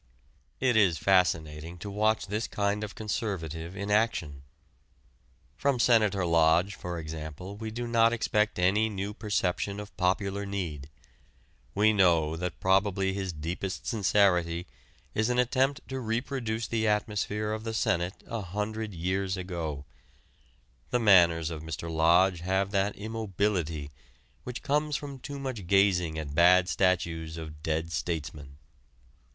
It is fascinating to watch this kind of conservative in action. From Senator Lodge, for example, we do not expect any new perception of popular need. We know that probably his deepest sincerity is an attempt to reproduce the atmosphere of the Senate a hundred years ago. The manners of Mr. Lodge have that immobility which comes from too much gazing at bad statues of dead statesmen.